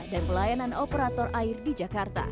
dan pelayanan operator air di jakarta